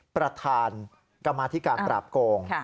ประธานกรรมาธิการปราบโกง